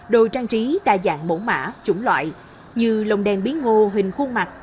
đồ trang trí đa dạng mẫu mã chủng loại như lồng đèn bí ngô hình khuôn mặt